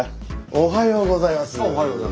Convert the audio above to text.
おはようございます。